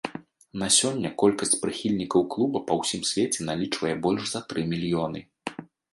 На сёння колькасць прыхільнікаў клуба па ўсім свеце налічвае больш за тры мільёны.